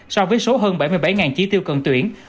so với số hơn bảy mươi bảy trí tiêu cần tuyển